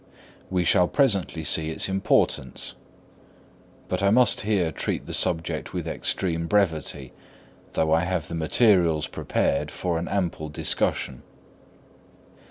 We shall presently see its importance; but I must here treat the subject with extreme brevity, though I have the materials prepared for an ample discussion.